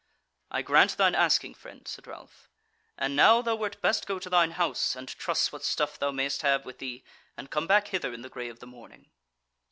"I grant thine asking, friend," said Ralph; "and now thou wert best go to thine house and truss what stuff thou mayst have with thee and come back hither in the grey of the morning."